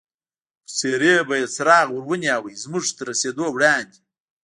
پر څېرې به یې څراغ ور ونیو، زموږ تر رسېدو وړاندې.